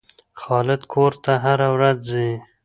خالد کور ته هره ورځ ځي.